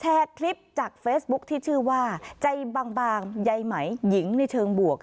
คลิปจากเฟซบุ๊คที่ชื่อว่าใจบางใยไหมหญิงในเชิงบวก